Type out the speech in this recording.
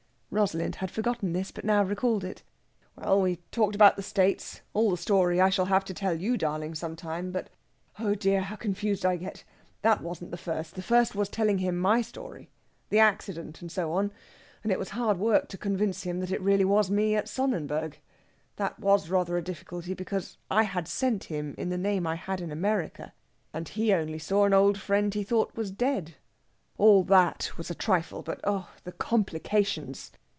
Rosalind had forgotten this, but now recalled it. "Well, we talked about the States all the story I shall have to tell you, darling, some time; but, oh dear, how confused I get! That wasn't the first. The first was telling him my story the accident, and so on and it was hard work to convince him it was really me at Sonnenberg. That was rather a difficulty, because I had sent him in the name I had in America, and he only saw an old friend he thought was dead. All that was a trifle; but, oh, the complications!..."